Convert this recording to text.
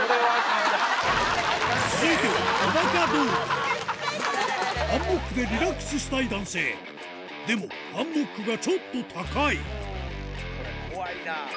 続いてはハンモックでリラックスしたい男性でもハンモックがちょっと高いこれ怖いな！